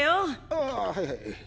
あぁはいはい。